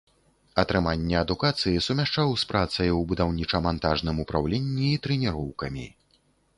Атрыманне адукацыі сумяшчаў з працай у будаўніча-мантажным упраўленні і трэніроўкамі.